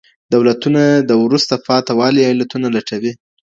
دولتونه د وروسته پاته والي علتونه لټوي.